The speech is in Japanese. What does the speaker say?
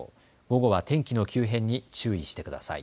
午後は天気の急変に注意してください。